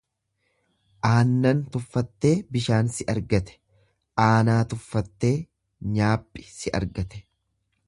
Aannan tuffattee bishaan si argate, aanaa tuffattee nyaaphi si argate.